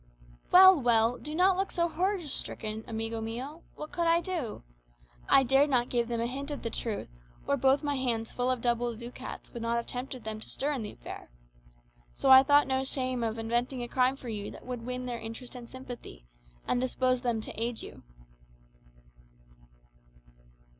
"Well, well; do not look so horror stricken, amigo mia. What could I do? I dared not give them a hint of the truth, or both my hands full of double ducats would not have tempted them to stir in the affair. So I thought no shame of inventing a crime for you that would win their interest and sympathy, and dispose them to aid you."